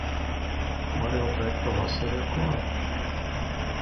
Var jau teikt, ka vasara ir klāt.